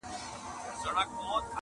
سرې لمبې په غېږ کي ګرځولای سي-